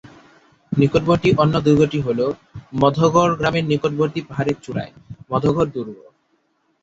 নিকটবর্তী অন্য দুর্গটি হল, মাধোগড় গ্রামের নিকটবর্তী পাহাড়ের চূড়ায়, মাধোগড় দুর্গ।